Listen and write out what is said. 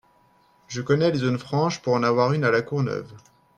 Je connais les zones franches pour en avoir une à La Courneuve.